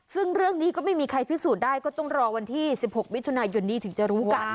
ซึ่งเรื่องนี้ก็ไม่มีใครพิสูจน์ได้ก็ต้องรอวันที่๑๖มิถุนายนนี้ถึงจะรู้กัน